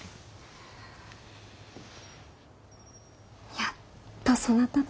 やっとそなたと。